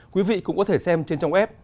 quý vị cũng có thể xem trên trang web